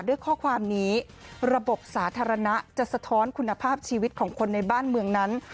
ด้วยข้อความนี้ระบบสาธารณะจะสะท้อนคุณภาพชีวิตของคนในบ้านเมืองนั้น